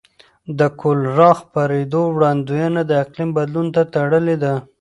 د کولرا خپرېدو وړاندوینه د اقلیم بدلون ته تړلې ده.